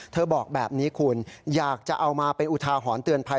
บอกแบบนี้คุณอยากจะเอามาเป็นอุทาหรณ์เตือนภัย